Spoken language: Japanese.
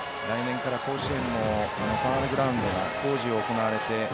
来年から甲子園もファウルグラウンドが工事を行われて